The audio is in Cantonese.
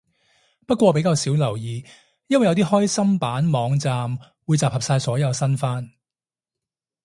不過我比較少留意，因為有啲開心版網站會集合晒所有新番